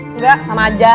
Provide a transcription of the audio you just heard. nggak sama aja